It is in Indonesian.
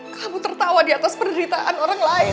kamu tertawa di atas penderitaan orang lain